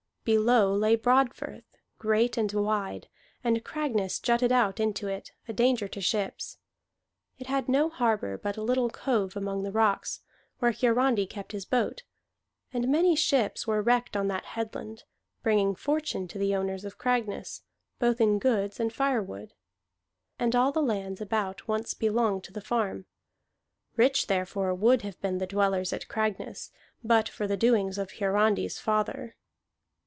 Below lay Broadfirth, great and wide, and Cragness jutted out into it, a danger to ships. It had no harbor, but a little cove among the rocks, where Hiarandi kept his boat; and many ships were wrecked on the headland, bringing fortune to the owners of Cragness, both in goods and firewood. And all the land about once belonged to the farm. Rich, therefore, would have been the dwellers at Cragness, but for the doings of Hiarandi's father.